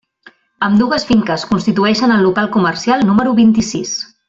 Ambdues finques constitueixen el local comercial número vint-i-sis.